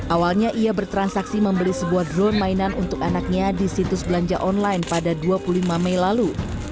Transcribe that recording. awalnya ia bertransaksi membeli sebuah drone mainan untuk anaknya di situs belanja online pada dua puluh lima mei lalu